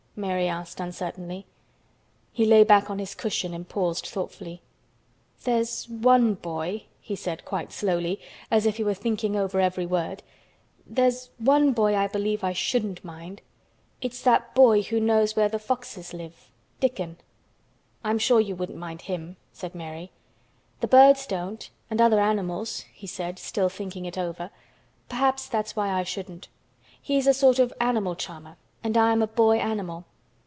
Mary asked uncertainly. He lay back on his cushion and paused thoughtfully. "There's one boy," he said quite slowly, as if he were thinking over every word, "there's one boy I believe I shouldn't mind. It's that boy who knows where the foxes live—Dickon." "I'm sure you wouldn't mind him," said Mary. "The birds don't and other animals," he said, still thinking it over, "perhaps that's why I shouldn't. He's a sort of animal charmer and I am a boy animal."